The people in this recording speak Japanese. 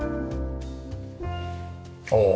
おお。